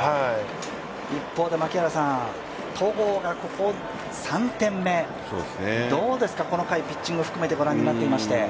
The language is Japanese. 一方で戸郷が３点目、どうですか、この回、ピッチングを含めて御覧になって？